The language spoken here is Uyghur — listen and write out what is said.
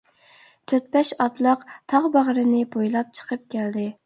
تۆت-بەش ئاتلىق تاغ باغرىنى بويلاپ چىقىپ كەلدى.